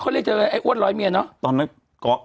ก็เรียกว่าไอ้อวดร้อยเมียนะ